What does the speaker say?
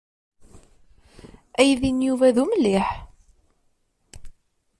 Aydi n Yuba d umliḥ.